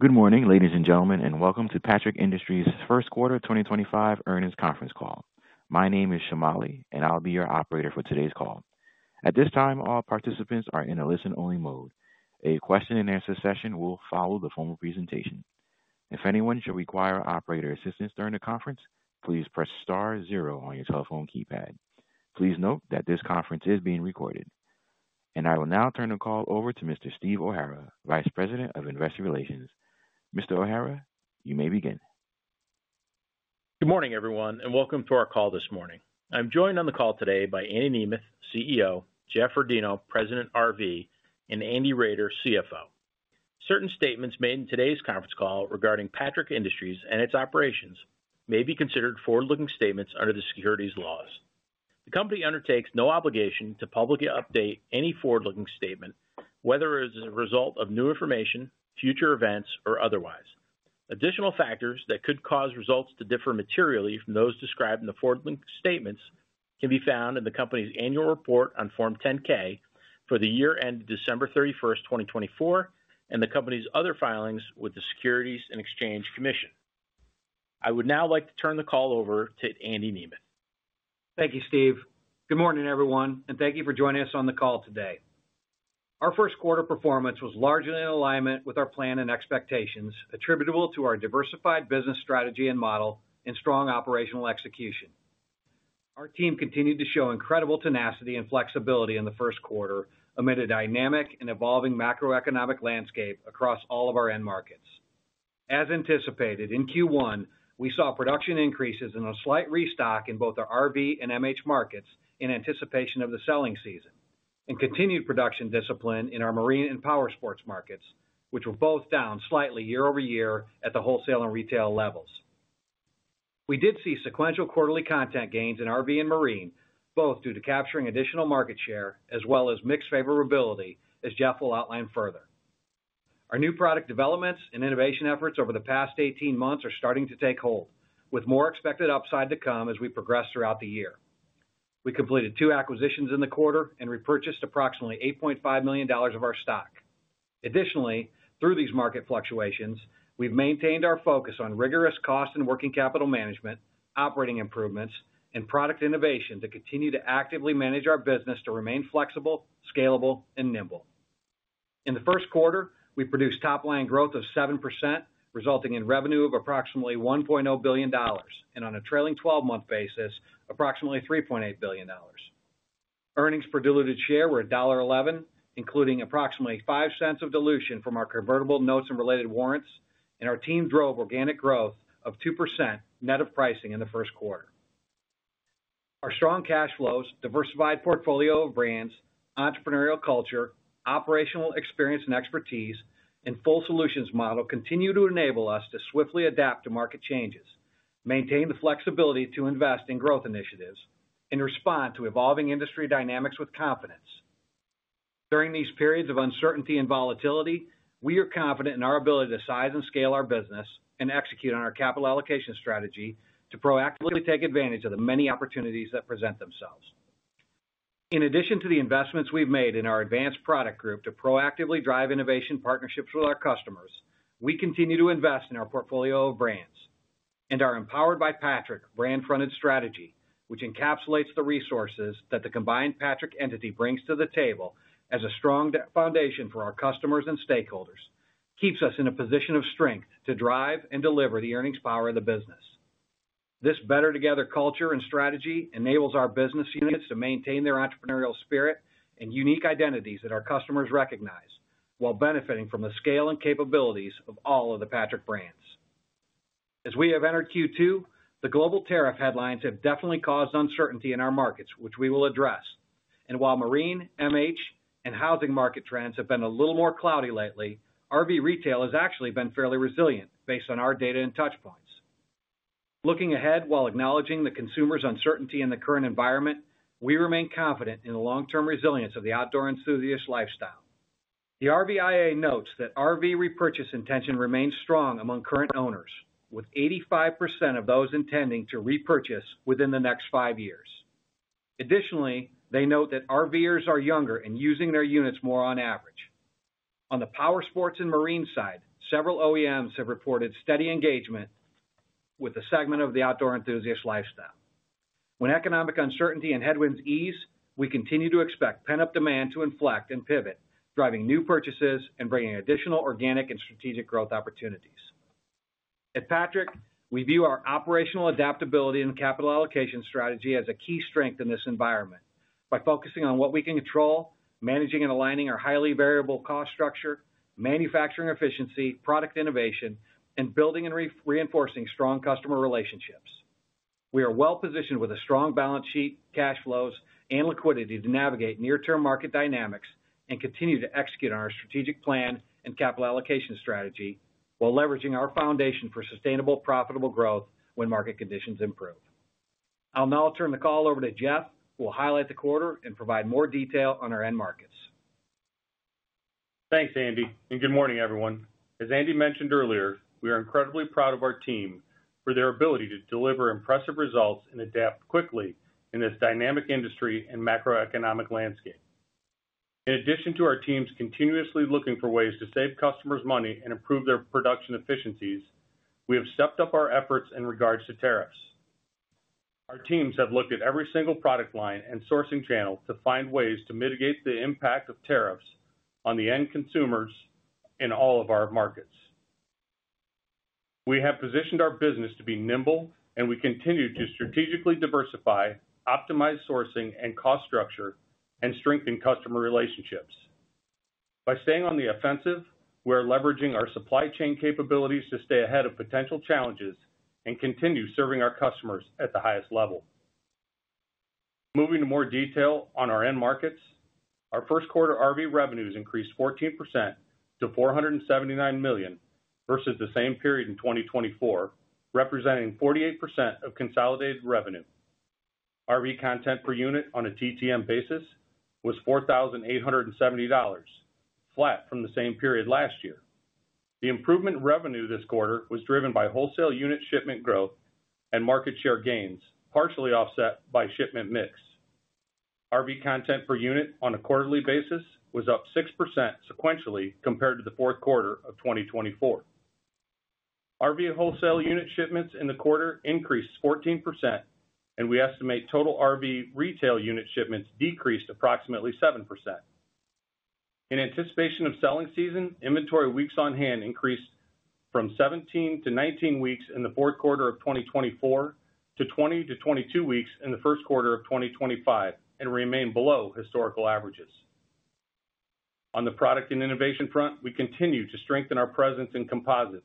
Good morning, ladies and gentlemen, and welcome to Patrick Industries' Q1 2025 Earnings Conference Call. My name is Shomali, and I'll be your operator for today's call. At this time, all participants are in a listen-only mode. A question-and-answer session will follow the formal presentation. If anyone should require operator assistance during the conference, please press star zero on your telephone keypad. Please note that this conference is being recorded. I will now turn the call over to Mr. Steve O'Hara, Vice President of Investor Relations. Mr. O'Hara, you may begin. Good morning, everyone, and welcome to our call this morning. I'm joined on the call today by Andy Nemeth, CEO, Jeff Rodino, President-RV, and Andy Roeder, CFO. Certain statements made in today's conference call regarding Patrick Industries and its operations may be considered forward-looking statements under the securities laws. The company undertakes no obligation to publicly update any forward-looking statement, whether it is a result of new information, future events, or otherwise. Additional factors that could cause results to differ materially from those described in the forward-looking statements can be found in the company's annual report on Form 10-K for the year ended December 31, 2024, and the company's other filings with the Securities and Exchange Commission. I would now like to turn the call over to Andy Nemeth. Thank you, Steve. Good morning, everyone, and thank you for joining us on the call today. Our Q1 performance was largely in alignment with our plan and expectations attributable to our diversified business strategy and model and strong operational execution. Our team continued to show incredible tenacity and flexibility in the Q1 amid a dynamic and evolving macroeconomic landscape across all of our end markets. As anticipated, in Q1, we saw production increases and a slight restock in both our RV and MH markets in anticipation of the selling season, and continued production discipline in our Marine and Powersports markets, which were both down slightly year-over-year at the wholesale and retail levels. We did see sequential quarterly content gains in RV and Marine, both due to capturing additional market share as well as mixed favorability, as Jeff will outline further. Our new product developments and innovation efforts over the past 18 months are starting to take hold, with more expected upside to come as we progress throughout the year. We completed two acquisitions in the quarter and repurchased approximately $8.5 million of our stock. Additionally, through these market fluctuations, we've maintained our focus on rigorous cost and working capital management, operating improvements, and product innovation to continue to actively manage our business to remain flexible, scalable, and nimble. In the Q1, we produced top-line growth of 7%, resulting in revenue of approximately $1.0 billion and, on a trailing 12-month basis, approximately $3.8 billion. Earnings per diluted share were $1.11, including approximately 5 cents of dilution from our convertible notes and related warrants, and our team drove organic growth of 2% net of pricing in the Q1. Our strong cash flows, diversified portfolio of brands, entrepreneurial culture, operational experience and expertise, and full solutions model continue to enable us to swiftly adapt to market changes, maintain the flexibility to invest in growth initiatives, and respond to evolving industry dynamics with confidence. During these periods of uncertainty and volatility, we are confident in our ability to size and scale our business and execute on our capital allocation strategy to proactively take advantage of the many opportunities that present themselves. In addition to the investments we've made in our Advanced Product Group to proactively drive innovation partnerships with our customers, we continue to invest in our portfolio of brands. Our Empowered by Patrick brand-fronted strategy, which encapsulates the resources that the combined Patrick entity brings to the table as a strong foundation for our customers and stakeholders, keeps us in a position of strength to drive and deliver the earnings power of the business. This Better Together culture and strategy enables our business units to maintain their entrepreneurial spirit and unique identities that our customers recognize, while benefiting from the scale and capabilities of all of the Patrick brands. As we have entered Q2, the global tariff headlines have definitely caused uncertainty in our markets, which we will address. While Marine, MH, and housing market trends have been a little more cloudy lately, RV retail has actually been fairly resilient based on our data and touchpoints. Looking ahead while acknowledging the consumer's uncertainty in the current environment, we remain confident in the long-term resilience of the outdoor enthusiast lifestyle. The RVIA notes that RV repurchase intention remains strong among current owners, with 85% of those intending to repurchase within the next five years. Additionally, they note that RVers are younger and using their units more on average. On the Powersports and Marine side, several OEMs have reported steady engagement with the segment of the outdoor enthusiast lifestyle. When economic uncertainty and headwinds ease, we continue to expect pent-up demand to inflect and pivot, driving new purchases and bringing additional organic and strategic growth opportunities. At Patrick, we view our operational adaptability and capital allocation strategy as a key strength in this environment by focusing on what we can control, managing and aligning our highly variable cost structure, manufacturing efficiency, product innovation, and building and reinforcing strong customer relationships. We are well-positioned with a strong balance sheet, cash flows, and liquidity to navigate near-term market dynamics and continue to execute on our strategic plan and capital allocation strategy while leveraging our foundation for sustainable, profitable growth when market conditions improve. I'll now turn the call over to Jeff, who will highlight the quarter and provide more detail on our end markets. Thanks, Andy. Good morning, everyone. As Andy mentioned earlier, we are incredibly proud of our team for their ability to deliver impressive results and adapt quickly in this dynamic industry and macroeconomic landscape. In addition to our teams continuously looking for ways to save customers' money and improve their production efficiencies, we have stepped up our efforts in regards to tariffs. Our teams have looked at every single product line and sourcing channel to find ways to mitigate the impact of tariffs on the end consumers in all of our markets. We have positioned our business to be nimble, and we continue to strategically diversify, optimize sourcing and cost structure, and strengthen customer relationships. By staying on the offensive, we are leveraging our supply chain capabilities to stay ahead of potential challenges and continue serving our customers at the highest level. Moving to more detail on our end markets, our Q1 RV revenues increased 14% to $479 million versus the same period in 2024, representing 48% of consolidated revenue. RV content per unit on a TTM basis was $4,870, flat from the same period last year. The improvement in revenue this quarter was driven by wholesale unit shipment growth and market share gains, partially offset by shipment mix. RV content per unit on a quarterly basis was up 6% sequentially compared to the Q4 of 2024. RV wholesale unit shipments in the quarter increased 14%, and we estimate total RV retail unit shipments decreased approximately 7%. In anticipation of selling season, inventory weeks on hand increased from 17-19 weeks in the Q4 of 2024 to 20-22 weeks in the Q1 of 2025 and remain below historical averages. On the product and innovation front, we continue to strengthen our presence in composites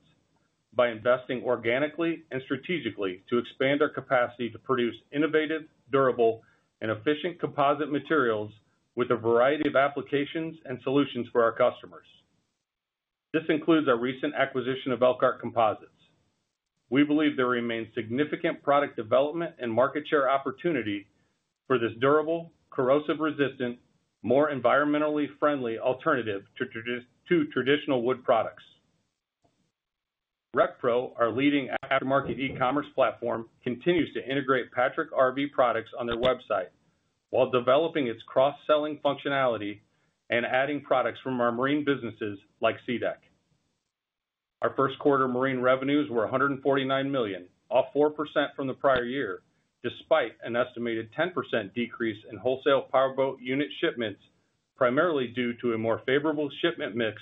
by investing organically and strategically to expand our capacity to produce innovative, durable, and efficient composite materials with a variety of applications and solutions for our customers. This includes our recent acquisition of Elkhart Composites. We believe there remains significant product development and market share opportunity for this durable, corrosion-resistant, more environmentally friendly alternative to traditional wood products. RecPro, our leading aftermarket e-commerce platform, continues to integrate Patrick RV products on their website while developing its cross-selling functionality and adding products from our Marine businesses like SeaDek. Our Q1 Marine revenues were $149 million, off 4% from the prior year, despite an estimated 10% decrease in wholesale powerboat unit shipments, primarily due to a more favorable shipment mix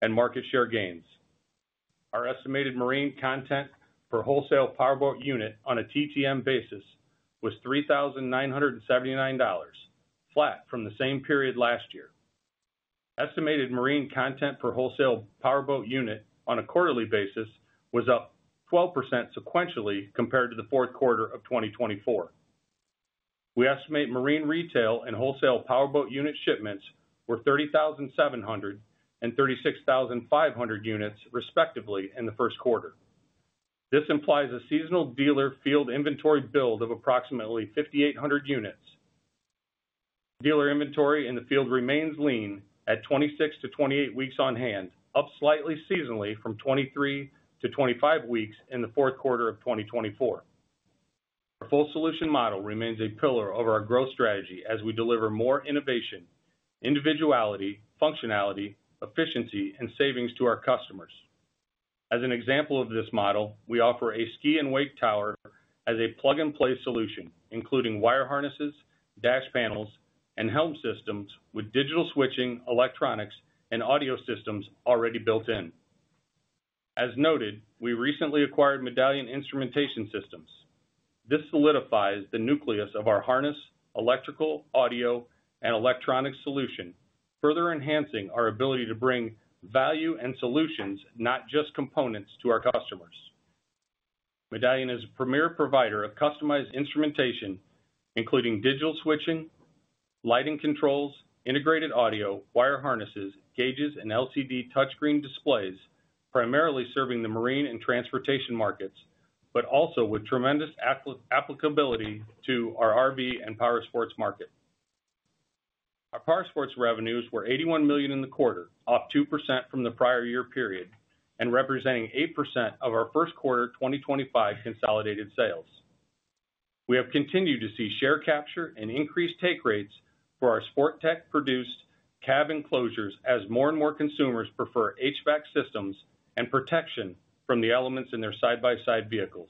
and market share gains. Our estimated Marine content per wholesale powerboat unit on a TTM basis was $3,979, flat from the same period last year. Estimated Marine content per wholesale powerboat unit on a quarterly basis was up 12% sequentially compared to the Q4 of 2024. We estimate Marine retail and wholesale powerboat unit shipments were 30,700 and 36,500 units, respectively, in the Q1. This implies a seasonal dealer field inventory build of approximately 5,800 units. Dealer inventory in the field remains lean at 26-28 weeks on hand, up slightly seasonally from 23-25 weeks in the Q4 of 2024. Our full solution model remains a pillar of our growth strategy as we deliver more innovation, individuality, functionality, efficiency, and savings to our customers. As an example of this model, we offer a ski and wake tower as a plug-and-play solution, including wire harnesses, dash panels, and helm systems with digital switching, electronics, and audio systems already built in. As noted, we recently acquired Medallion Instrumentation Systems. This solidifies the nucleus of our harness, electrical, audio, and electronics solution, further enhancing our ability to bring value and solutions, not just components, to our customers. Medallion is a premier provider of customized instrumentation, including digital switching, lighting controls, integrated audio, wire harnesses, gauges, and LCD touchscreen displays, primarily serving the Marine and transportation markets, but also with tremendous applicability to our RV and Powersports market. Our Powersports revenues were $81 million in the quarter, off 2% from the prior year period, and representing 8% of our Q1 2025 consolidated sales. We have continued to see share capture and increased take rates for our Sportech-produced cab enclosures as more and more consumers prefer HVAC systems and protection from the elements in their side-by-side vehicles.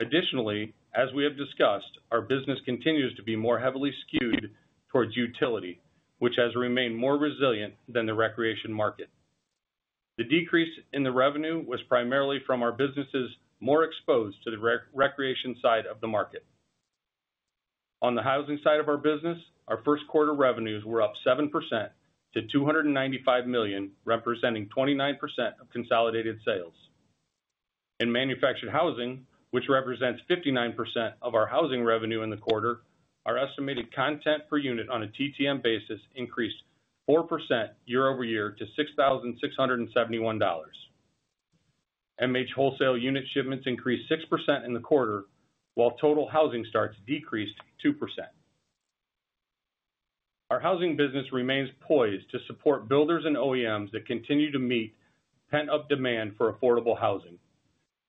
Additionally, as we have discussed, our business continues to be more heavily skewed towards utility, which has remained more resilient than the recreation market. The decrease in the revenue was primarily from our businesses more exposed to the recreation side of the market. On the housing side of our business, our Q1 revenues were up 7% to $295 million, representing 29% of consolidated sales. In manufactured housing, which represents 59% of our housing revenue in the quarter, our estimated content per unit on a TTM basis increased 4% year-over-year to $6,671. MH wholesale unit shipments increased 6% in the quarter, while total housing starts decreased 2%. Our housing business remains poised to support builders and OEMs that continue to meet pent-up demand for affordable housing.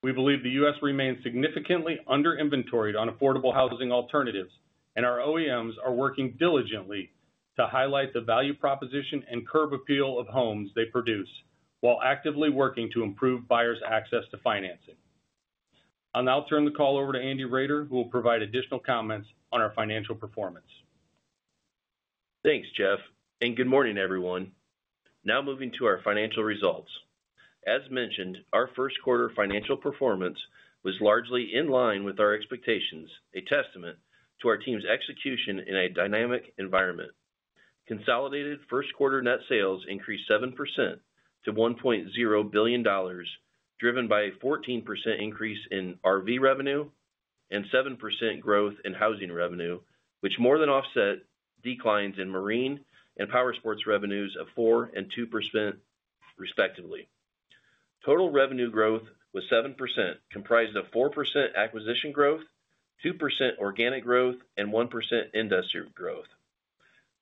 We believe the U.S. remains significantly under-inventoried on affordable housing alternatives, and our OEMs are working diligently to highlight the value proposition and curb appeal of homes they produce while actively working to improve buyers' access to financing. I'll now turn the call over to Andy Roeder, who will provide additional comments on our financial performance. Thanks, Jeff. Good morning, everyone. Now moving to our financial results. As mentioned, our Q1 financial performance was largely in line with our expectations, a testament to our team's execution in a dynamic environment. Consolidated Q1 net sales increased 7% to $1.0 billion, driven by a 14% increase in RV revenue and 7% growth in housing revenue, which more than offset declines in Marine and Powersports revenues of 4% and 2%, respectively. Total revenue growth was 7%, comprised of 4% acquisition growth, 2% organic growth, and 1% industrial growth.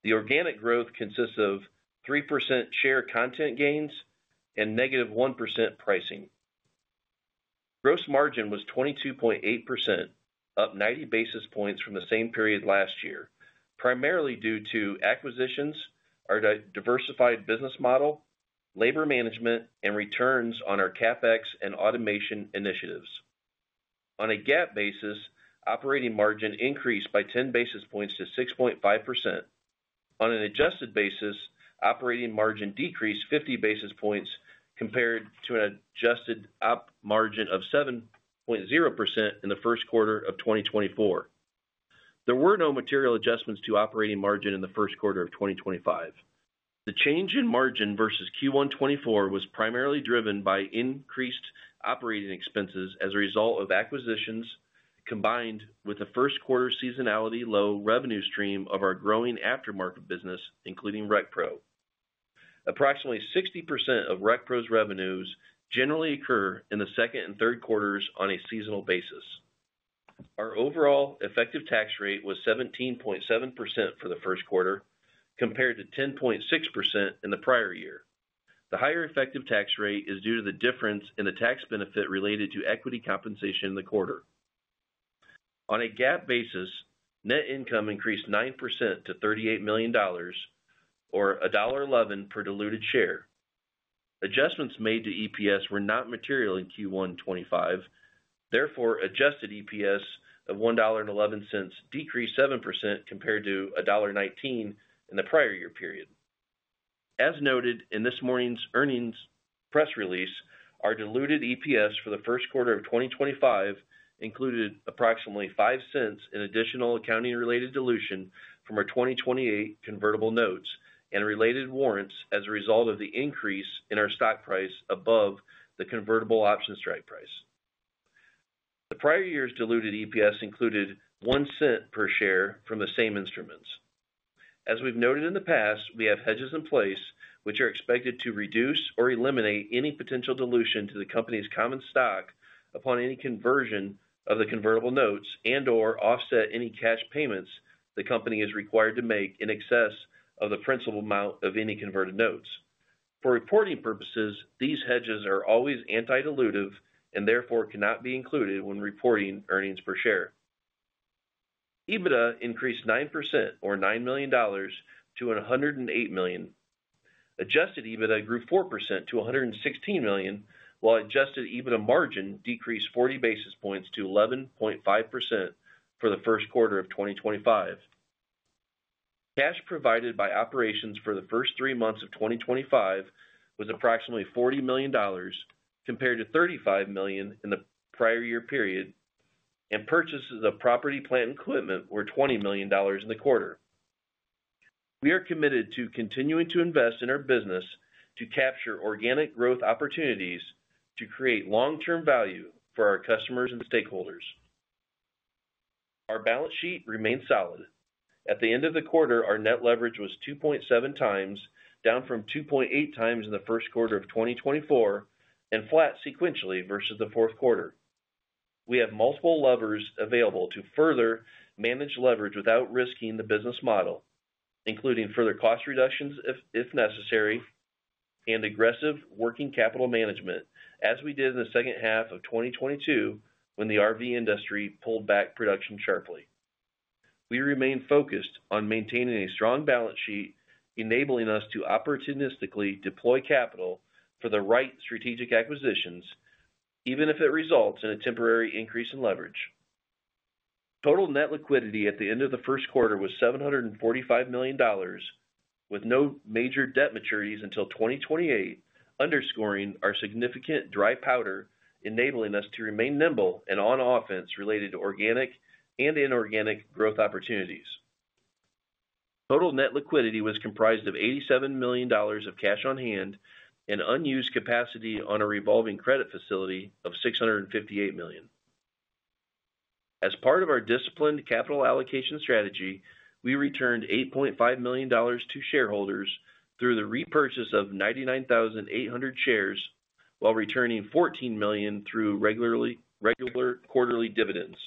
The organic growth consists of 3% share content gains and negative 1% pricing. Gross margin was 22.8%, up 90 basis points from the same period last year, primarily due to acquisitions, our diversified business model, labor management, and returns on our CapEx and automation initiatives. On a GAAP basis, operating margin increased by 10 basis points to 6.5%. On an adjusted basis, operating margin decreased 50 basis points compared to an adjusted operating margin of 7.0% in the Q1 of 2024. There were no material adjustments to operating margin in the Q1 of 2025.The change in margin versus Q1 2024 was primarily driven by increased operating expenses as a result of acquisitions combined with the Q1 seasonality low revenue stream of our growing aftermarket business, including RecPro. Approximately 60% of RecPro's revenues generally occur in the second and third quarters on a seasonal basis. Our overall effective tax rate was 17.7% for the Q1, compared to 10.6% in the prior year. The higher effective tax rate is due to the difference in the tax benefit related to equity compensation in the quarter. On a GAAP basis, net income increased 9% to $38 million, or $1.11 per diluted share. Adjustments made to EPS were not material in Q1 2025. Therefore, adjusted EPS of $1.11 decreased 7% compared to $1.19 in the prior year period. As noted in this morning's earnings press release, our diluted EPS for the Q1 of 2025 included approximately $0.05 in additional accounting-related dilution from our 2028 convertible notes and related warrants as a result of the increase in our stock price above the convertible option strike price. The prior year's diluted EPS included $0.01 per share from the same instruments. As we've noted in the past, we have hedges in place, which are expected to reduce or eliminate any potential dilution to the company's common stock upon any conversion of the convertible notes and/or offset any cash payments the company is required to make in excess of the principal amount of any converted notes. For reporting purposes, these hedges are always antidilutive and therefore cannot be included when reporting earnings per share. EBITDA increased 9%, or $9 to 108 million. Adjusted EBITDA grew 4% to $116 million, while adjusted EBITDA margin decreased 40 basis points to 11.5% for the Q1 of 2025. Cash provided by operations for the first three months of 2025 was approximately $40 million, compared to $35 million in the prior year period, and purchases of property, plant, and equipment were $20 million in the quarter. We are committed to continuing to invest in our business to capture organic growth opportunities to create long-term value for our customers and stakeholders. Our balance sheet remained solid. At the end of the quarter, our net leverage was 2.7 times, down from 2.8 times in the Q1 of 2024, and flat sequentially versus the Q4. We have multiple levers available to further manage leverage without risking the business model, including further cost reductions if necessary and aggressive working capital management, as we did in the second half of 2022 when the RV industry pulled back production sharply. We remain focused on maintaining a strong balance sheet, enabling us to opportunistically deploy capital for the right strategic acquisitions, even if it results in a temporary increase in leverage. Total net liquidity at the end of the Q1 was $745 million, with no major debt maturities until 2028, underscoring our significant dry powder, enabling us to remain nimble and on offense related to organic and inorganic growth opportunities. Total net liquidity was comprised of $87 million of cash on hand and unused capacity on a revolving credit facility of $658 million. As part of our disciplined capital allocation strategy, we returned $8.5 million to shareholders through the repurchase of 99,800 shares, while returning $14 million through regular quarterly dividends.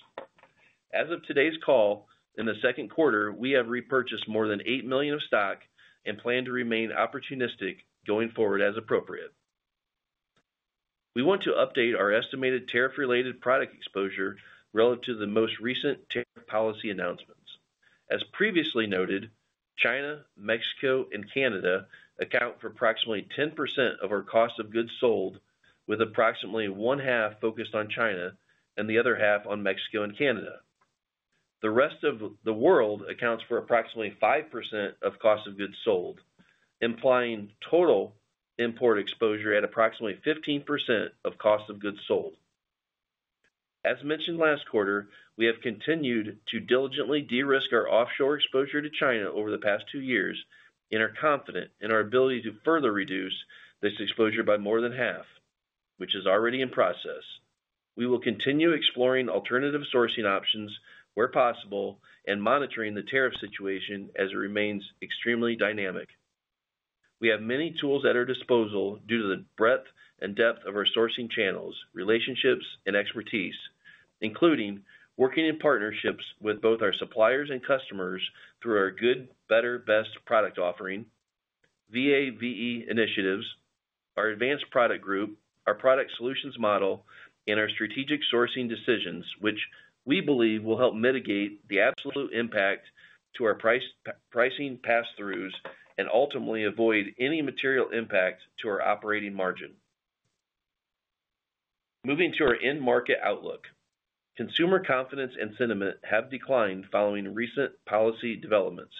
As of today's call, in the Q2, we have repurchased more than $8 million of stock and plan to remain opportunistic going forward as appropriate. We want to update our estimated tariff-related product exposure relative to the most recent tariff policy announcements. As previously noted, China, Mexico, and Canada account for approximately 10% of our cost of goods sold, with approximately one half focused on China and the other half on Mexico and Canada. The rest of the world accounts for approximately 5% of cost of goods sold, implying total import exposure at approximately 15% of cost of goods sold. As mentioned last quarter, we have continued to diligently de-risk our offshore exposure to China over the past two years and are confident in our ability to further reduce this exposure by more than half, which is already in process. We will continue exploring alternative sourcing options where possible and monitoring the tariff situation as it remains extremely dynamic. We have many tools at our disposal due to the breadth and depth of our sourcing channels, relationships, and expertise, including working in partnerships with both our suppliers and customers through our Good, Better, Best product offering, VA/VE initiatives, our Advanced Product Group, our product solutions model, and our strategic sourcing decisions, which we believe will help mitigate the absolute impact to our pricing pass-throughs and ultimately avoid any material impact to our operating margin. Moving to our end market outlook, consumer confidence and sentiment have declined following recent policy developments,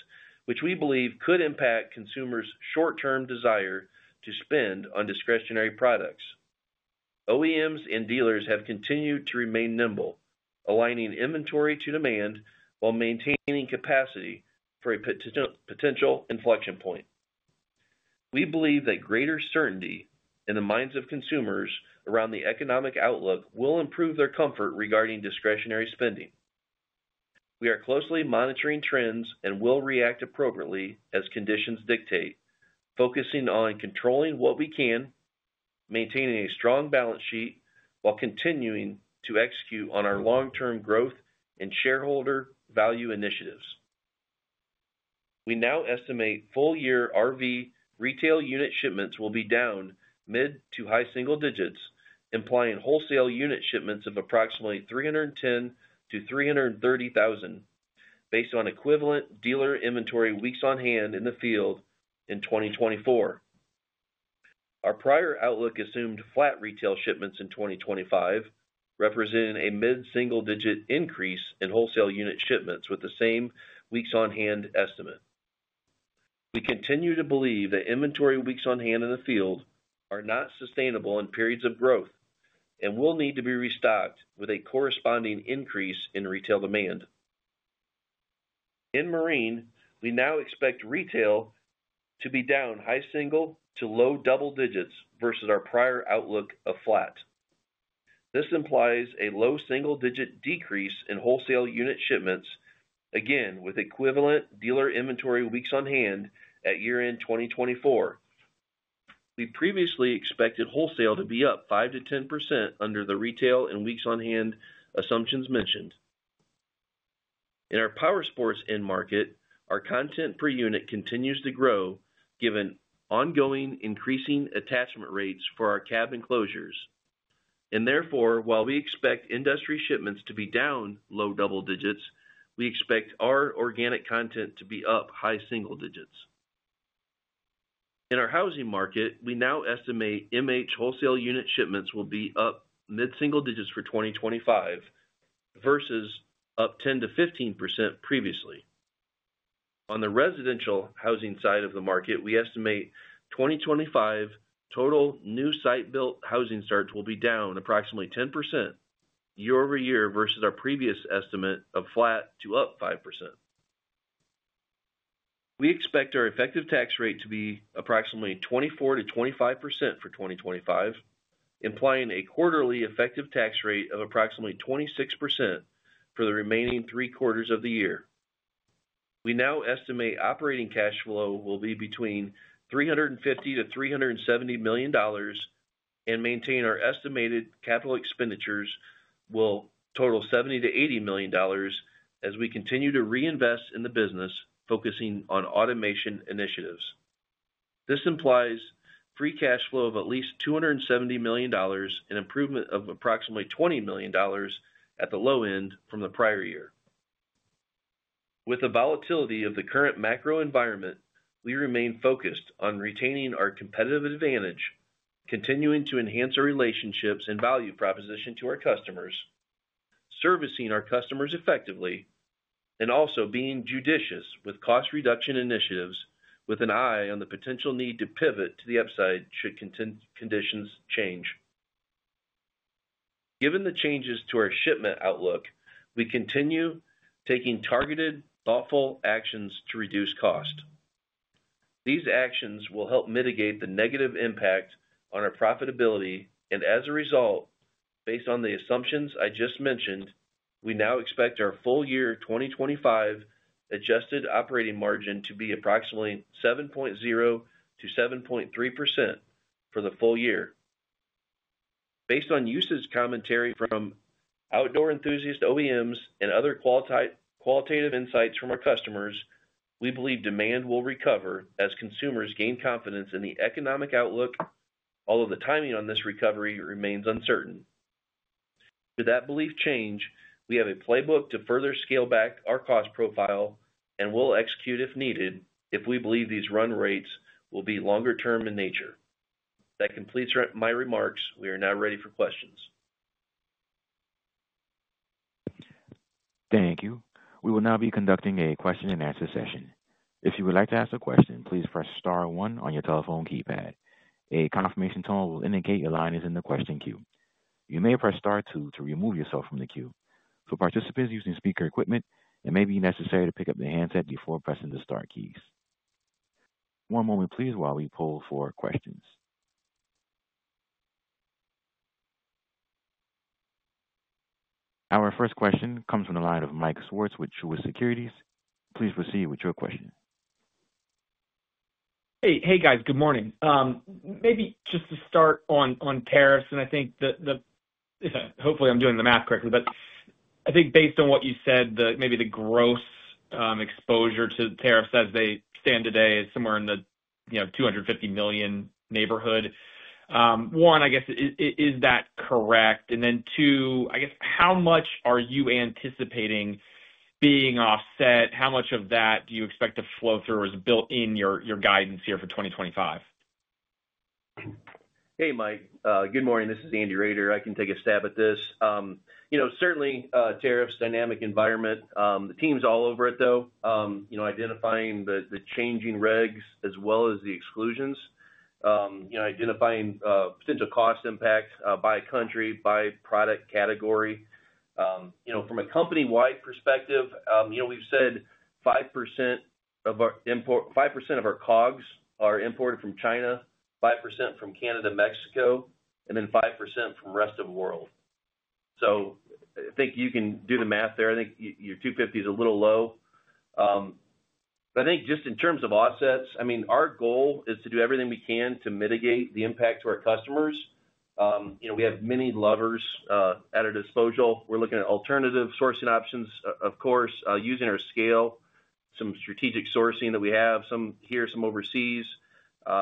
which we believe could impact consumers' short-term desire to spend on discretionary products. OEMs and dealers have continued to remain nimble, aligning inventory to demand while maintaining capacity for a potential inflection point. We believe that greater certainty in the minds of consumers around the economic outlook will improve their comfort regarding discretionary spending. We are closely monitoring trends and will react appropriately as conditions dictate, focusing on controlling what we can, maintaining a strong balance sheet, while continuing to execute on our long-term growth and shareholder value initiatives. We now estimate full-year RV retail unit shipments will be down mid to high single digits, implying wholesale unit shipments of approximately 310,000-330,000, based on equivalent dealer inventory weeks on hand in the field in 2024. Our prior outlook assumed flat retail shipments in 2025, representing a mid-single-digit increase in wholesale unit shipments with the same weeks on hand estimate. We continue to believe that inventory weeks on hand in the field are not sustainable in periods of growth and will need to be restocked with a corresponding increase in retail demand. In Marine, we now expect retail to be down high single to low double digits versus our prior outlook of flat. This implies a low single-digit decrease in wholesale unit shipments, again with equivalent dealer inventory weeks on hand at year-end 2024. We previously expected wholesale to be up 5%-10% under the retail and weeks on hand assumptions mentioned. In our Powersports end market, our content per unit continues to grow given ongoing increasing attachment rates for our cab enclosures. Therefore, while we expect industry shipments to be down low double digits, we expect our organic content to be up high single digits. In our housing market, we now estimate MH wholesale unit shipments will be up mid-single digits for 2025 versus up 10%-15% previously. On the residential housing side of the market, we estimate 2025 total new site-built housing starts will be down approximately 10% year over year versus our previous estimate of flat to up 5%. We expect our effective tax rate to be approximately 24%-25% for 2025, implying a quarterly effective tax rate of approximately 26% for the remaining three quarters of the year. We now estimate operating cash flow will be between $350 to 370 million and maintain our estimated capital expenditures will total $70 to 80 million as we continue to reinvest in the business, focusing on automation initiatives. This implies free cash flow of at least $270 million and improvement of approximately $20 million at the low end from the prior year. With the volatility of the current macro environment, we remain focused on retaining our competitive advantage, continuing to enhance our relationships and value proposition to our customers, servicing our customers effectively, and also being judicious with cost reduction initiatives with an eye on the potential need to pivot to the upside should conditions change. Given the changes to our shipment outlook, we continue taking targeted, thoughtful actions to reduce cost. These actions will help mitigate the negative impact on our profitability and, as a result, based on the assumptions I just mentioned, we now expect our full-year 2025 adjusted operating margin to be approximately 7.0%-7.3% for the full year. Based on usage commentary from outdoor enthusiast OEMs and other qualitative insights from our customers, we believe demand will recover as consumers gain confidence in the economic outlook, although the timing on this recovery remains uncertain. With that belief change, we have a playbook to further scale back our cost profile and will execute if needed if we believe these run rates will be longer-term in nature. That completes my remarks. We are now ready for questions. Thank you. We will now be conducting a question-and-answer session. If you would like to ask a question, please press star one on your telephone keypad. A confirmation tone will indicate your line is in the question queue. You may press star two to remove yourself from the queue. For participants using speaker equipment, it may be necessary to pick up the handset before pressing the star keys. One moment, please, while we pull for questions. Our first question comes from the line of Mike Swartz with Truist Securities. Please proceed with your question. Hey, guys. Good morning. Maybe just to start on tariffs, and I think the—hopefully, I'm doing the math correctly—but I think based on what you said, maybe the gross exposure to tariffs as they stand today is somewhere in the 250 million neighborhood. One, I guess, is that correct? And then two, I guess, how much are you anticipating being offset? How much of that do you expect to flow through as built-in your guidance here for 2025? Hey, Mike. Good morning. This is Andy Roeder. I can take a stab at this. Certainly, tariffs, dynamic environment. The team's all over it, though, identifying the changing regs as well as the exclusions, identifying potential cost impact by country, by product category. From a company-wide perspective, we've said 5% of our COGS are imported from China, 5% from Canada, Mexico, and then 5% from the rest of the world. I think you can do the math there. I think your 250 is a little low. I think just in terms of offsets, I mean, our goal is to do everything we can to mitigate the impact to our customers. We have many levers at our disposal. We're looking at alternative sourcing options, of course, using our scale, some strategic sourcing that we have here and some overseas. We're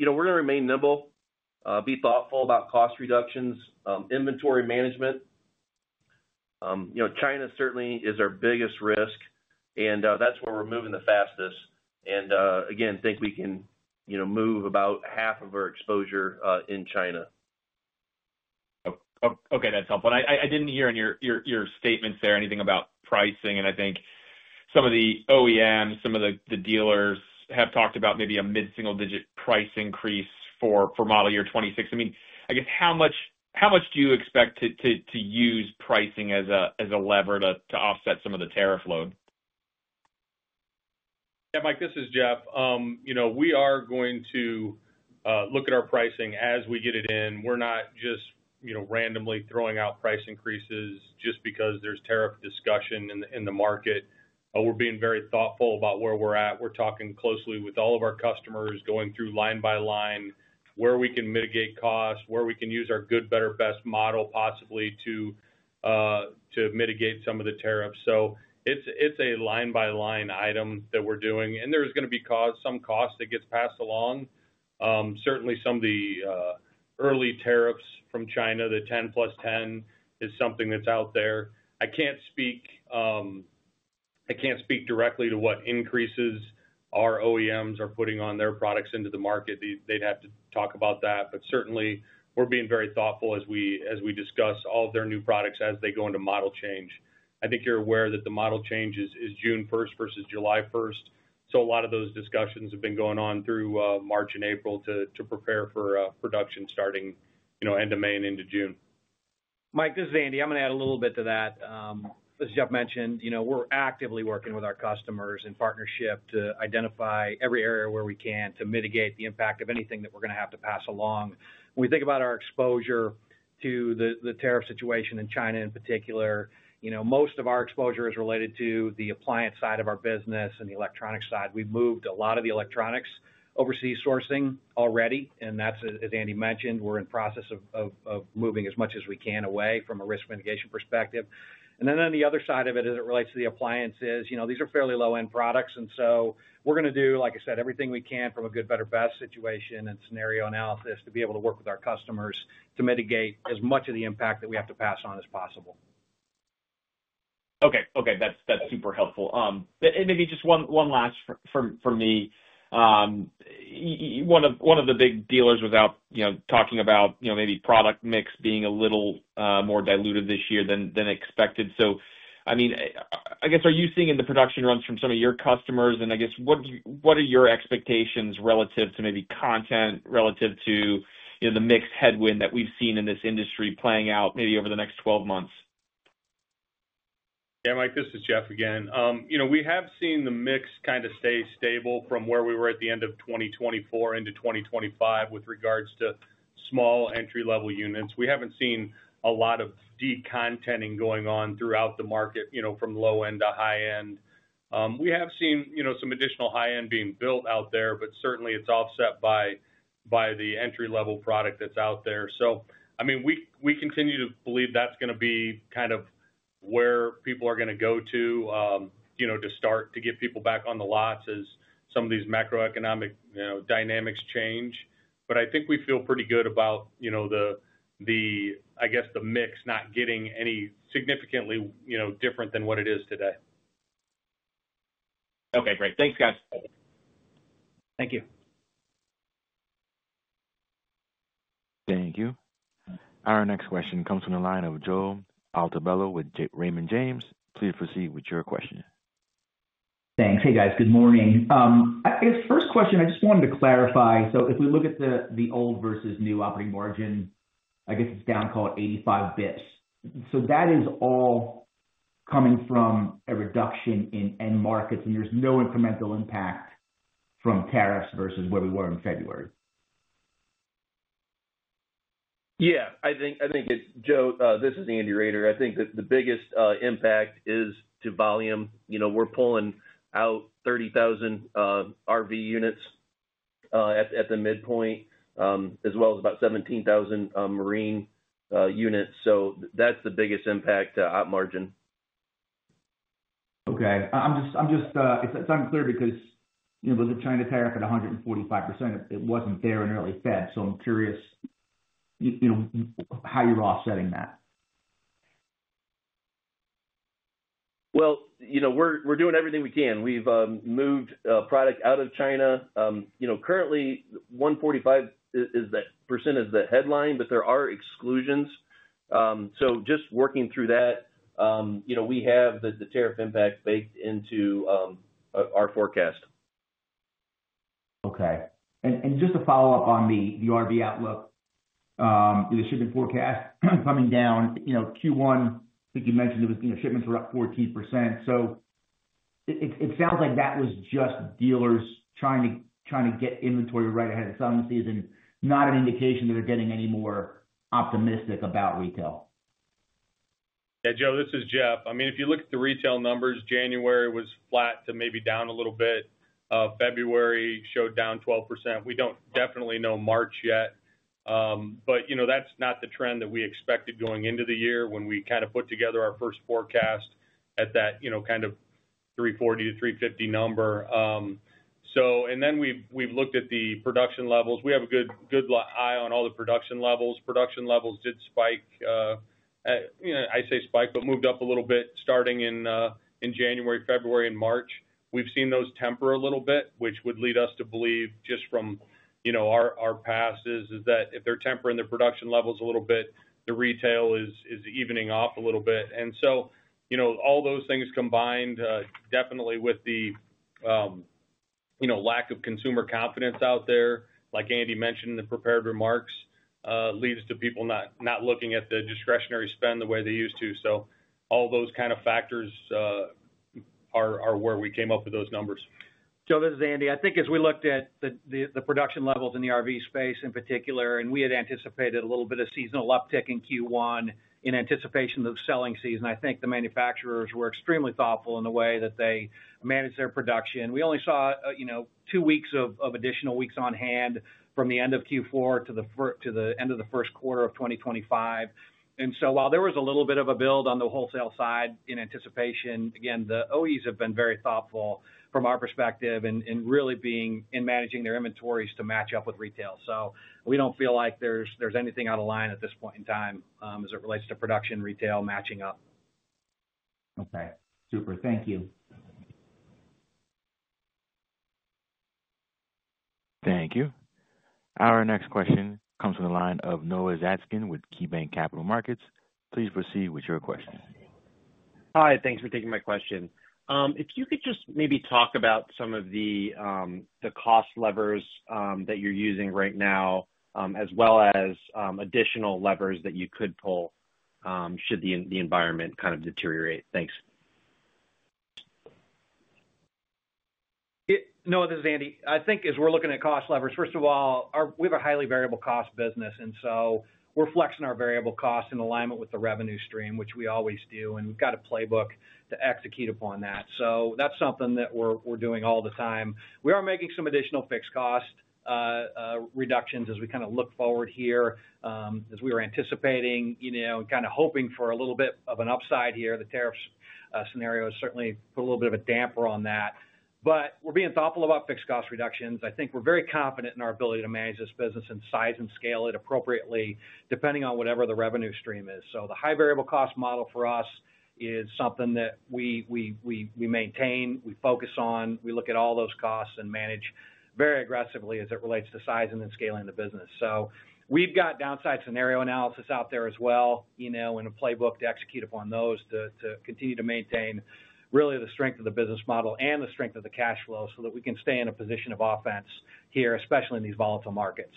going to remain nimble, be thoughtful about cost reductions, inventory management. China certainly is our biggest risk, and that's where we're moving the fastest. I think we can move about half of our exposure in China. Okay. That's helpful. I didn't hear in your statements there anything about pricing. I think some of the OEMs, some of the dealers have talked about maybe a mid-single-digit price increase for model year 2026. I mean, I guess, how much do you expect to use pricing as a lever to offset some of the tariff load? Yeah, Mike, this is Jeff. We are going to look at our pricing as we get it in. We're not just randomly throwing out price increases just because there's tariff discussion in the market. We're being very thoughtful about where we're at. We're talking closely with all of our customers, going through line by line where we can mitigate cost, where we can use our good, better, best model possibly to mitigate some of the tariffs. It is a line-by-line item that we're doing. There is going to be some cost that gets passed along. Certainly, some of the early tariffs from China, the 10 plus 10, is something that's out there. I can't speak directly to what increases our OEMs are putting on their products into the market. They'd have to talk about that. Certainly, we're being very thoughtful as we discuss all of their new products as they go into model change. I think you're aware that the model change is 1 June 2025 versus 1 July 2025. So a lot of those discussions have been going on through March and April to prepare for production starting end of May and into June. Mike, this is Andy. I'm going to add a little bit to that. As Jeff mentioned, we're actively working with our customers in partnership to identify every area where we can to mitigate the impact of anything that we're going to have to pass along. When we think about our exposure to the tariff situation in China in particular, most of our exposure is related to the appliance side of our business and the electronics side. We've moved a lot of the electronics overseas sourcing already. As Andy mentioned, we're in the process of moving as much as we can away from a risk mitigation perspective. On the other side of it, as it relates to the appliances, these are fairly low-end products. We are going to do, like I said, everything we can from a good, better, best situation and scenario analysis to be able to work with our customers to mitigate as much of the impact that we have to pass on as possible. Okay. Okay. That is super helpful. Maybe just one last from me. One of the big dealers was out talking about maybe product mix being a little more diluted this year than expected. I mean, are you seeing in the production runs from some of your customers? What are your expectations relative to maybe content, relative to the mixed headwind that we have seen in this industry playing out maybe over the next 12 months? Yeah, Mike, this is Jeff again. We have seen the mix kind of stay stable from where we were at the end of 2024 into 2025 with regards to small entry-level units. We have not seen a lot of decontenting going on throughout the market from low-end to high-end. We have seen some additional high-end being built out there, but certainly, it is offset by the entry-level product that is out there. I mean, we continue to believe that is going to be kind of where people are going to go to start to get people back on the lots as some of these macroeconomic dynamics change. I think we feel pretty good about, I guess, the mix not getting any significantly different than what it is today. Okay. Great. Thanks, guys. Thank you. Thank you. Our next question comes from the line of Joe Altobello with Raymond James. Please proceed with your question. Thanks. Hey, guys. Good morning. I guess, first question, I just wanted to clarify. If we look at the old versus new operating margin, I guess it is down, call it 85 basis points. That is all coming from a reduction in end markets, and there is no incremental impact from tariffs versus where we were in February. Yeah. I think it is Joe, this is Andy Roeder. I think the biggest impact is to volume. We are pulling out 30,000 RV units at the midpoint, as well as about 17,000 Marine units. That is the biggest impact to op margin. Okay. It is unclear because was it China tariff at 145%? It was not there in early February. I am curious, how you are offsetting that? Well, you know, we are doing everything we can. We have moved product out of China. Currently, 145% is the headline, but there are exclusions. Just working through that, we have the tariff impact baked into our forecast. Okay. Just to follow up on the RV outlook, the shipment forecast coming down, Q1, I think you mentioned shipments were up 14%. It sounds like that was just dealers trying to get inventory right ahead of summer season, not an indication that they are getting any more optimistic about retail. Yeah, Joe, this is Jeff. I mean, if you look at the retail numbers, January was flat to maybe down a little bit. February showed down 12%. We do not definitely know March yet. That is not the trend that we expected going into the year when we kind of put together our first forecast at that kind of 340-350 number. We have looked at the production levels. We have a good eye on all the production levels. Production levels did spike. I say spike, but moved up a little bit starting in January, February, and March. We've seen those temper a little bit, which would lead us to believe just from our past is that if they're tempering their production levels a little bit, the retail is evening off a little bit. All those things combined, definitely with the lack of consumer confidence out there, like Andy mentioned in the prepared remarks, leads to people not looking at the discretionary spend the way they used to. All those kind of factors are where we came up with those numbers. Joe, this is Andy. I think as we looked at the production levels in the RV space in particular, and we had anticipated a little bit of seasonal uptick in Q1 in anticipation of selling season, I think the manufacturers were extremely thoughtful in the way that they managed their production. We only saw two weeks of additional weeks on hand from the end of Q4 to the end of the Q1 of 2025. While there was a little bit of a build on the wholesale side in anticipation, again, the OEs have been very thoughtful from our perspective in really being in managing their inventories to match up with retail. We do not feel like there is anything out of line at this point in time as it relates to production, retail matching up. Okay. Super. Thank you. Thank you. Our next question comes from the line of Noah Zatzkin with KeyBanc Capital Markets. Please proceed with your question. Hi. Thanks for taking my question. If you could just maybe talk about some of the cost levers that you're using right now, as well as additional levers that you could pull should the environment kind of deteriorate. Thanks. Noah, this is Andy. I think as we're looking at cost levers, first of all, we have a highly variable cost business. We are flexing our variable cost in alignment with the revenue stream, which we always do. We have a playbook to execute upon that. That is something that we're doing all the time. We are making some additional fixed cost reductions as we kind of look forward here, as we were anticipating and kind of hoping for a little bit of an upside here. The tariffs scenario has certainly put a little bit of a damper on that. We are being thoughtful about fixed cost reductions. I think we are very confident in our ability to manage this business and size and scale it appropriately, depending on whatever the revenue stream is. The high variable cost model for us is something that we maintain, we focus on, we look at all those costs and manage very aggressively as it relates to sizing and scaling the business. We have downside scenario analysis out there as well and a playbook to execute upon those to continue to maintain really the strength of the business model and the strength of the cash flow so that we can stay in a position of offense here, especially in these volatile markets.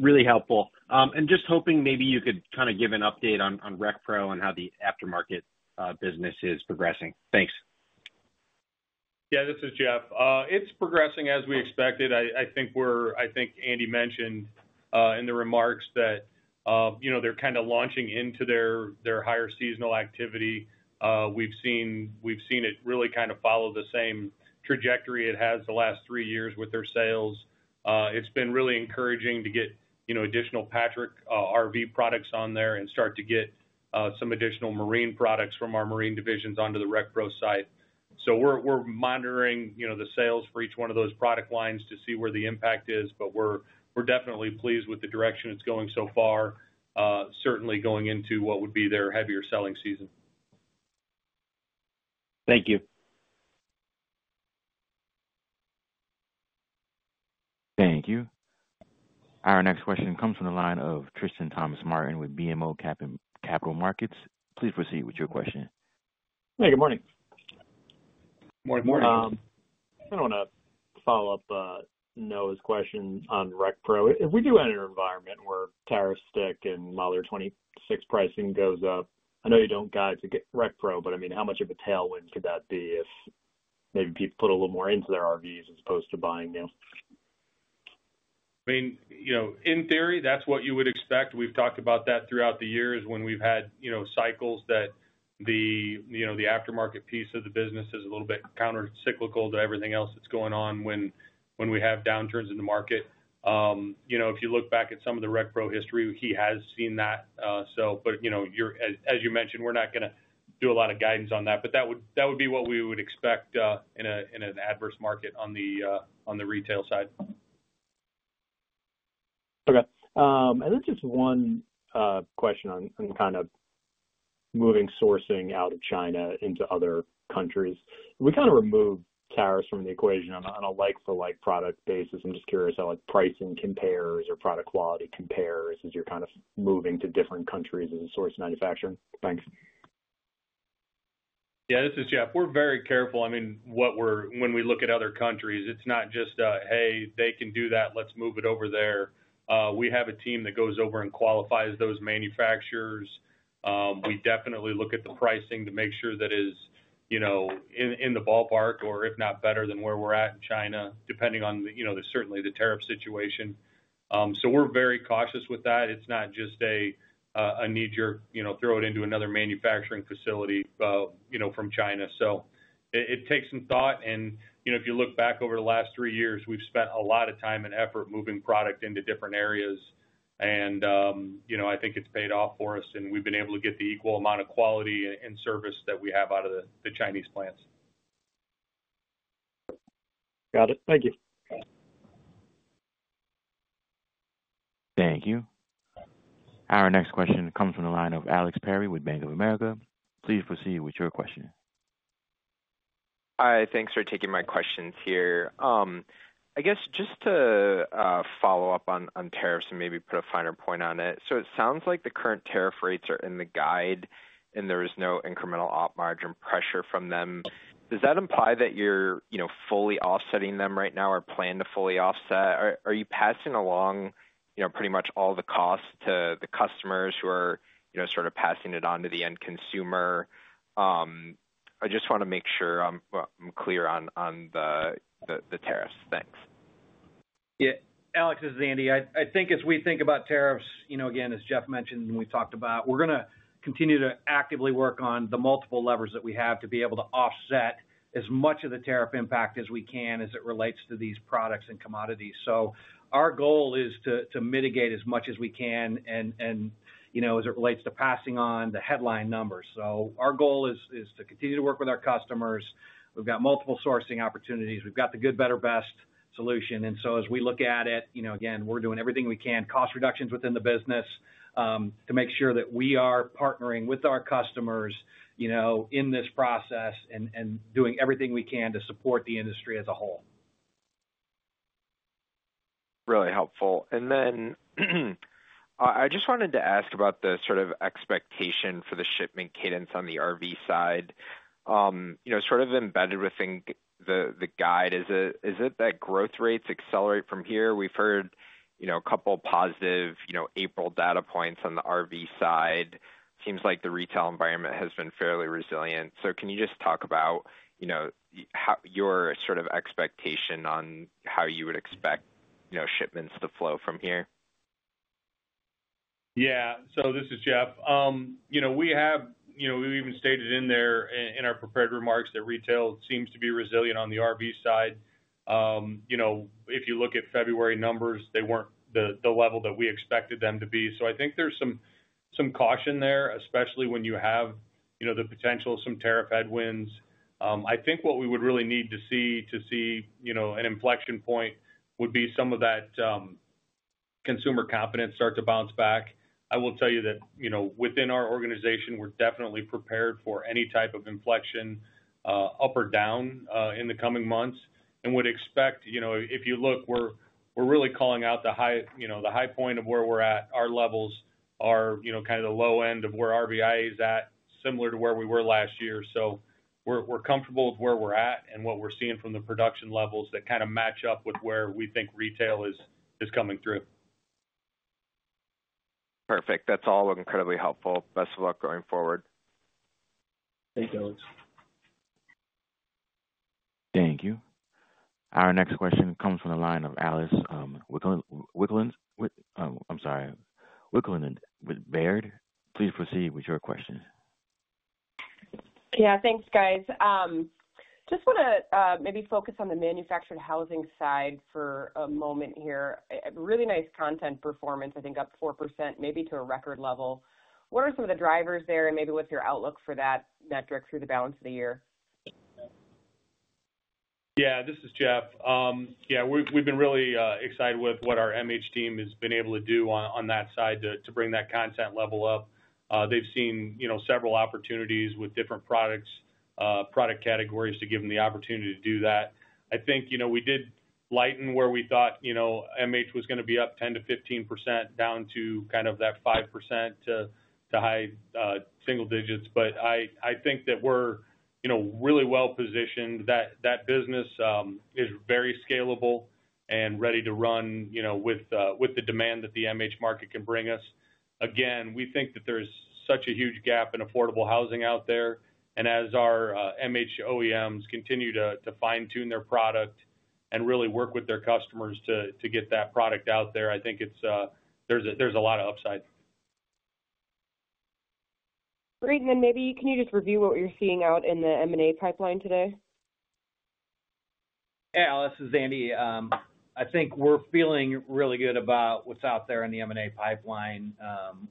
Really helpful. Just hoping maybe you could kind of give an update on RecPro and how the aftermarket business is progressing. Thanks. Yeah, this is Jeff. It's progressing as we expected. I think Andy mentioned in the remarks that they're kind of launching into their higher seasonal activity. We've seen it really kind of follow the same trajectory it has the last three years with their sales. It's been really encouraging to get additional Patrick RV products on there and start to get some additional Marine products from our Marine divisions onto the RecPro site. We are monitoring the sales for each one of those product lines to see where the impact is. We are definitely pleased with the direction it's going so far, certainly going into what would be their heavier selling season. Thank you. Thank you. Our next question comes from the line of Tristan Thomas-Martin with BMO Capital Markets. Please proceed with your question. Hey, good morning. Good morning. I'm gonna want to follow up Noah's question on RecPro. We do have an environment where tariffs stick and while their 26 pricing goes up. I know you don't guide to get RecPro, but I mean, how much of a tailwind could that be if maybe people put a little more into their RVs as opposed to buying new? I mean, in theory, that's what you would expect. We've talked about that throughout the years when we've had cycles that the aftermarket piece of the business is a little bit countercyclical to everything else that's going on when we have downturns in the market. If you look back at some of the RecPro history, he has seen that. As you mentioned, we're not going to do a lot of guidance on that. That would be what we would expect in an adverse market on the retail side. Okay. Just one question on kind of moving sourcing out of China into other countries. We kind of remove tariffs from the equation on a like-for-like product basis. I'm just curious how pricing compares or product quality compares as you're kind of moving to different countries as a source of manufacturing. Thanks. Yeah, this is Jeff. We're very careful. I mean, when we look at other countries, it's not just, "Hey, they can do that. Let's move it over there." We have a team that goes over and qualifies those manufacturers. We definitely look at the pricing to make sure that it's in the ballpark or if not better than where we're at in China, depending on certainly the tariff situation. We are very cautious with that. It's not just a, "I need you to throw it into another manufacturing facility from China." It takes some thought. If you look back over the last three years, we've spent a lot of time and effort moving product into different areas. I think it's paid off for us, and we've been able to get the equal amount of quality and service that we have out of the Chinese plants. Got it. Thank you. Thank you. Our next question comes from the line of Alex Perry with Bank of America. Please proceed with your question. Hi. Thanks for taking my questions here. I guess just to follow up on tariffs and maybe put a finer point on it. It sounds like the current tariff rates are in the guide, and there is no incremental op margin pressure from them. Does that imply that you're fully offsetting them right now or plan to fully offset? Are you passing along pretty much all the costs to the customers who are sort of passing it on to the end consumer? I just want to make sure I'm clear on the tariffs. Thanks. Yeah. Alex, this is Andy. I think as we think about tariffs, again, as Jeff mentioned and we've talked about, we're going to continue to actively work on the multiple levers that we have to be able to offset as much of the tariff impact as we can as it relates to these products and commodities. Our goal is to mitigate as much as we can as it relates to passing on the headline numbers. Our goal is to continue to work with our customers. We've got multiple sourcing opportunities. We've got the good, better, best solution. As we look at it, again, we're doing everything we can, cost reductions within the business to make sure that we are partnering with our customers in this process and doing everything we can to support the industry as a whole. Really helpful. I just wanted to ask about the sort of expectation for the shipment cadence on the RV side, sort of embedded within the guide. Is it that growth rates accelerate from here? We've heard a couple of positive April data points on the RV side. It seems like the retail environment has been fairly resilient. Can you just talk about your sort of expectation on how you would expect shipments to flow from here? Yeah. This is Jeff. We have even stated in our prepared remarks that retail seems to be resilient on the RV side. If you look at February numbers, they were not the level that we expected them to be. I think there is some caution there, especially when you have the potential of some tariff headwinds. I think what we would really need to see to see an inflection point would be some of that consumer confidence start to bounce back. I will tell you that within our organization, we are definitely prepared for any type of inflection up or down in the coming months. We would expect, if you look, we are really calling out the high point of where we are at. Our levels are kind of the low end of where RV is at, similar to where we were last year. We are comfortable with where we are at and what we are seeing from the production levels that kind of match up with where we think retail is coming through. Perfect. That is all incredibly helpful. Best of luck going forward. Thank you, Alex. Thank you. Our next question comes from the line of Alice Wycklendt. I am sorry. Wycklendt with Baird. Please proceed with your question. Yeah. Thanks, guys. Just want to maybe focus on the manufactured housing side for a moment here. Really nice content performance, I think, up 4%, maybe to a record level. What are some of the drivers there? And maybe what is your outlook for that metric through the balance of the year? Yeah, this is Jeff. Yeah, we've been really excited with what our MH team has been able to do on that side to bring that content level up. They've seen several opportunities with different products, product categories to give them the opportunity to do that. I think we did lighten where we thought MH was going to be up 10-15% down to kind of that 5% to high single digits. I think that we're really well positioned. That business is very scalable and ready to run with the demand that the MH market can bring us. Again, we think that there's such a huge gap in affordable housing out there. As our MH OEMs continue to fine-tune their product and really work with their customers to get that product out there, I think there's a lot of upside. Great. Maybe can you just review what you're seeing out in the M&A pipeline today? Hey, Alex. This is Andy. I think we're feeling really good about what's out there in the M&A pipeline.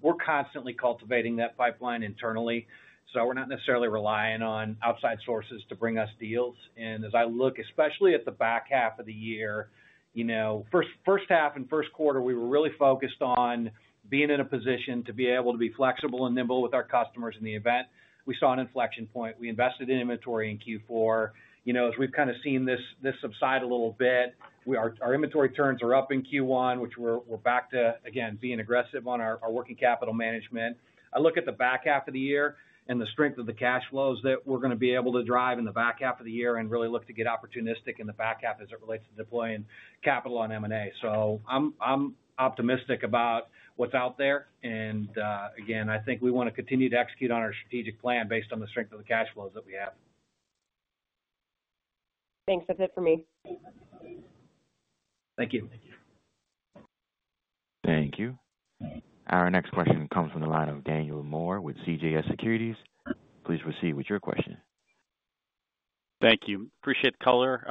We're constantly cultivating that pipeline internally. We're not necessarily relying on outside sources to bring us deals. As I look, especially at the back half of the year, first half and Q1, we were really focused on being in a position to be able to be flexible and nimble with our customers in the event we saw an inflection point. We invested in inventory in Q4. As we've kind of seen this subside a little bit, our inventory turns are up in Q1, which we're back to, again, being aggressive on our working capital management. I look at the back half of the year and the strength of the cash flows that we're going to be able to drive in the back half of the year and really look to get opportunistic in the back half as it relates to deploying capital on M&A. I'm optimistic about what's out there. I think we want to continue to execute on our strategic plan based on the strength of the cash flows that we have. Thanks. That's it for me. Thank you. Thank you. Our next question comes from the line of Daniel Moore with CJS Securities. Please proceed with your question. Thank you. Appreciate the color.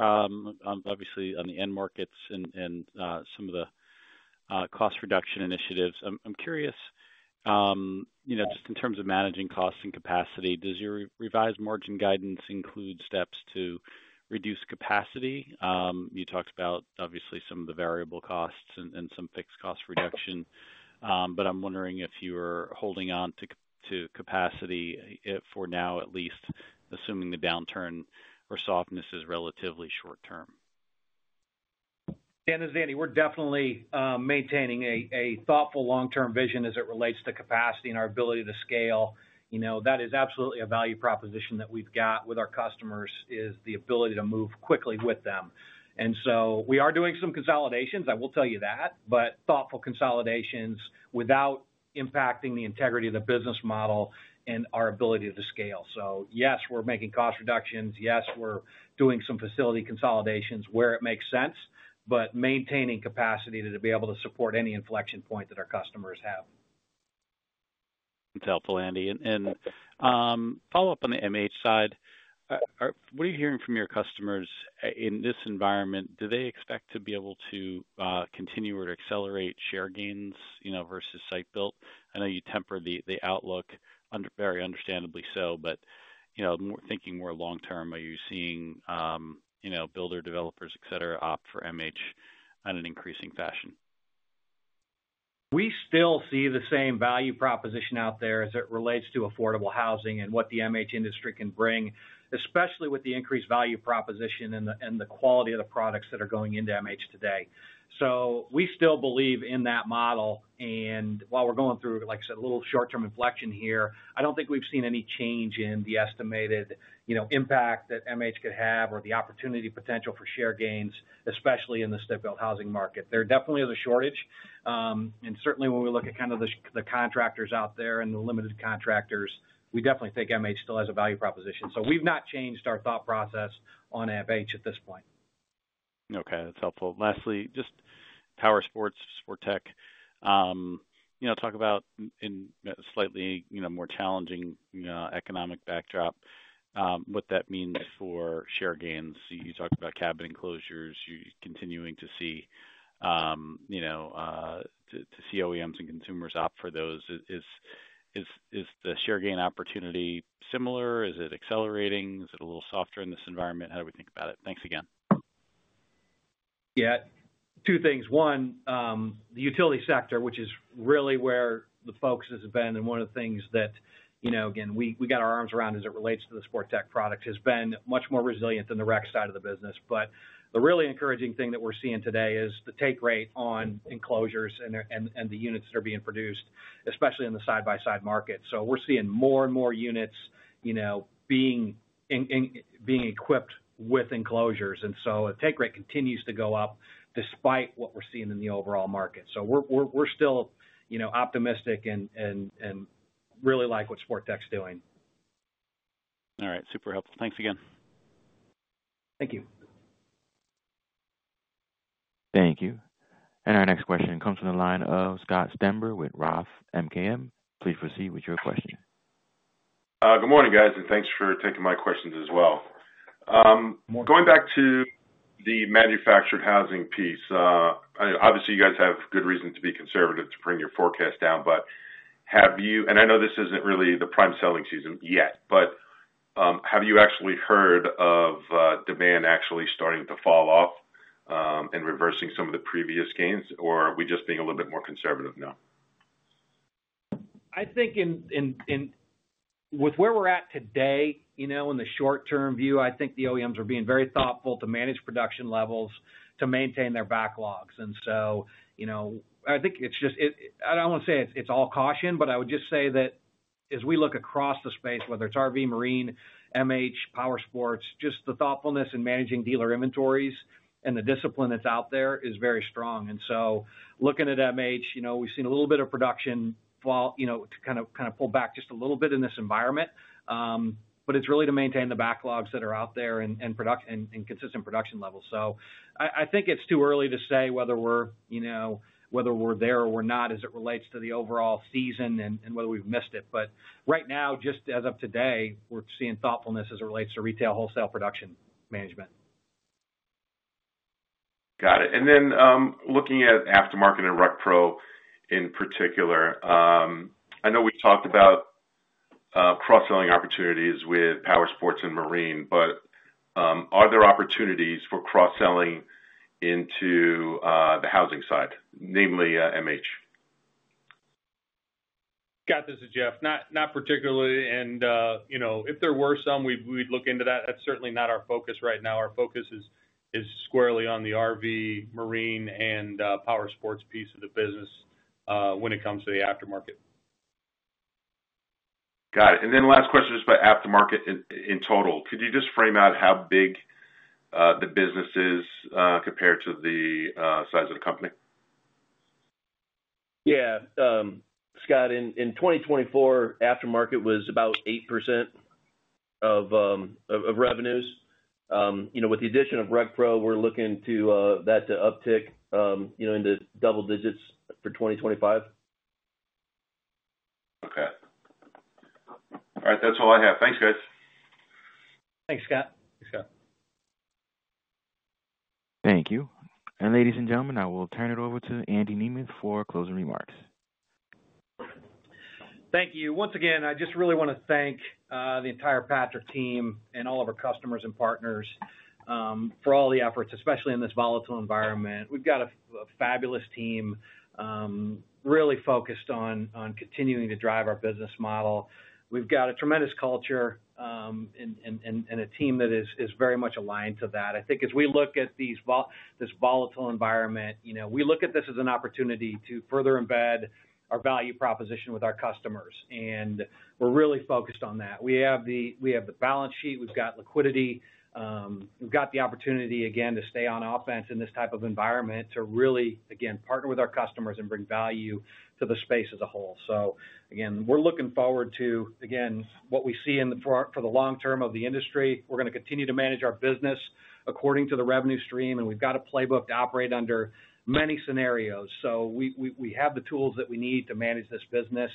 Obviously, on the end markets and some of the cost reduction initiatives, I'm curious, just in terms of managing costs and capacity, does your revised margin guidance include steps to reduce capacity? You talked about, obviously, some of the variable costs and some fixed cost reduction. I'm wondering if you are holding on to capacity for now, at least, assuming the downturn or softness is relatively short-term. Yeah, this is Andy. We're definitely maintaining a thoughtful long-term vision as it relates to capacity and our ability to scale. That is absolutely a value proposition that we've got with our customers is the ability to move quickly with them. We are doing some consolidations, I will tell you that, but thoughtful consolidations without impacting the integrity of the business model and our ability to scale. Yes, we're making cost reductions. Yes, we're doing some facility consolidations where it makes sense, but maintaining capacity to be able to support any inflection point that our customers have. That's helpful, Andy. And follow up on the MH side. What are you hearing from your customers in this environment? Do they expect to be able to continue or accelerate share gains versus site-built? I know you temper the outlook, very understandably so. Thinking more long-term, are you seeing builder developers, etc., opt for MH in an increasing fashion? We still see the same value proposition out there as it relates to affordable housing and what the MH industry can bring, especially with the increased value proposition and the quality of the products that are going into MH today. We still believe in that model. While we're going through, like I said, a little short-term inflection here, I don't think we've seen any change in the estimated impact that MH could have or the opportunity potential for share gains, especially in the site-built housing market. There definitely is a shortage. Certainly, when we look at kind of the contractors out there and the limited contractors, we definitely think MH still has a value proposition. We have not changed our thought process on MH at this point. Okay. That is helpful. Lastly, just Powersports, Sportech. Talk about in a slightly more challenging economic backdrop, what that means for share gains. You talked about cabin enclosures. You are continuing to see OEMs and consumers opt for those. Is the share gain opportunity similar? Is it accelerating? Is it a little softer in this environment? How do we think about it? Thanks again. Yeah. Two things. One, the utility sector, which is really where the focus has been. One of the things that, again, we got our arms around as it relates to the Sportech products has been much more resilient than the rec side of the business. The really encouraging thing that we're seeing today is the take rate on enclosures and the units that are being produced, especially in the side-by-side market. We're seeing more and more units being equipped with enclosures. The take rate continues to go up despite what we're seeing in the overall market. We're still optimistic and really like what Sportech's doing. All right. Super helpful. Thanks again. Thank you. Thank you. Our next question comes from the line of Scott Stember with Roth MKM. Please proceed with your question. Good morning, guys. Thanks for taking my questions as well. Going back to the manufactured housing piece, obviously, you guys have good reason to be conservative to bring your forecast down. Have you—and I know this isn't really the prime selling season yet—have you actually heard of demand actually starting to fall off and reversing some of the previous gains? Are we just being a little bit more conservative now? I think with where we're at today, in the short-term view, I think the OEMs are being very thoughtful to manage production levels to maintain their backlogs. I think it's just—I don't want to say it's all caution, but I would just say that as we look across the space, whether it's RV, Marine, MH, Powersports, just the thoughtfulness in managing dealer inventories and the discipline that's out there is very strong. Looking at MH, we've seen a little bit of production to kind of pull back just a little bit in this environment. It's really to maintain the backlogs that are out there and consistent production levels. I think it's too early to say whether we're there or we're not as it relates to the overall season and whether we've missed it. Right now, just as of today, we're seeing thoughtfulness as it relates to retail wholesale production management. Got it. Looking at aftermarket and RecPro in particular, I know we talked about cross-selling opportunities with Powersports and Marine, but are there opportunities for cross-selling into the housing side, namely MH? Scott, this is Jeff. Not particularly. If there were some, we'd look into that. That's certainly not our focus right now. Our focus is squarely on the RV, Marine, and Powersports piece of the business when it comes to the aftermarket. Got it. Last question just about aftermarket in total. Could you just frame out how big the business is compared to the size of the company? Yeah. Scott, in 2024, aftermarket was about 8% of revenues. With the addition of RecPro, we're looking to that to uptick into double digits for 2025. Okay. All right. That's all I have. Thanks, guys. Thanks, Scott. Thanks, Scott. Thank you. Ladies and gentlemen, I will turn it over to Andy Nemeth for closing remarks. Thank you. Once again, I just really want to thank the entire Patrick team and all of our customers and partners for all the efforts, especially in this volatile environment. We've got a fabulous team really focused on continuing to drive our business model. We've got a tremendous culture and a team that is very much aligned to that. I think as we look at this volatile environment, we look at this as an opportunity to further embed our value proposition with our customers. We are really focused on that. We have the balance sheet. We have liquidity. We have the opportunity, again, to stay on offense in this type of environment to really, again, partner with our customers and bring value to the space as a whole. We are looking forward to, again, what we see for the long term of the industry. We are going to continue to manage our business according to the revenue stream. We have a playbook to operate under many scenarios. We have the tools that we need to manage this business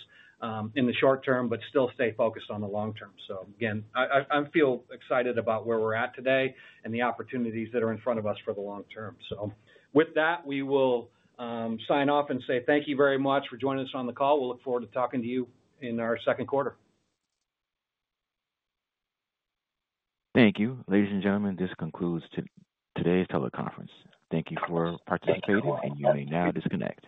in the short term, but still stay focused on the long term. I feel excited about where we're at today and the opportunities that are in front of us for the long term. With that, we will sign off and say thank you very much for joining us on the call. We'll look forward to talking to you in our Q2. Thank you. Ladies and gentlemen, this concludes today's teleconference. Thank you for participating, and you may now disconnect.